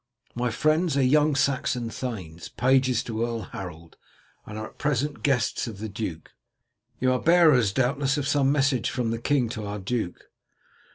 My friends are young Saxon thanes, pages to Earl Harold, and at present guests of the duke." "You are bearers, doubtless, of some message from the king to our duke?"